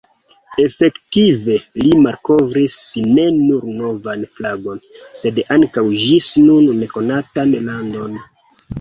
Efektive li malkovris ne nur novan flagon, sed ankaŭ ĝis nun nekonatan landon.